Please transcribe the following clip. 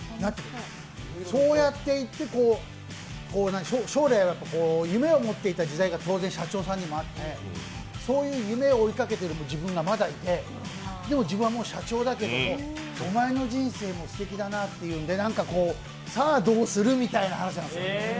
そうやっていって、将来の夢を持っていた時代も当然社長さんにもあってそういう夢を追いかけている自分がまだいて、でも自分はもう社長だけどもおまえの人生もすてきだなっていうんでさあ、どうする？みたいな話なんですよ。